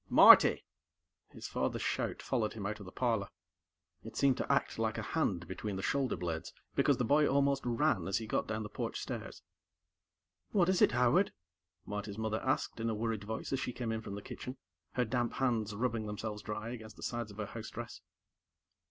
"Marty!" His father's shout followed him out of the parlor. It seemed to act like a hand between the shoulder blades, because the boy almost ran as he got down the porch stairs. "What is it, Howard?" Marty's mother asked in a worried voice as she came in from the kitchen, her damp hands rubbing themselves dry against the sides of her housedress.